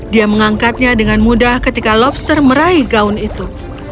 dia mengangkatnya dengan mudah ketika lobster meraih gaun itu